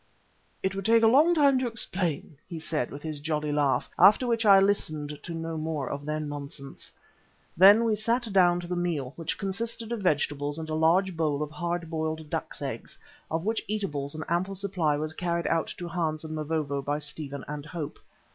"It would take a long time to explain," he said with his jolly laugh, after which I listened to no more of their nonsense. Then we sat down to the meal, which consisted of vegetables and a large bowl of hard boiled ducks' eggs, of which eatables an ample supply was carried out to Hans and Mavovo by Stephen and Hope.